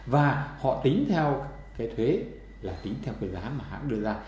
và họ tính theo cái thuế là tính theo cái giá mà hãng đưa ra